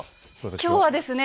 今日はですね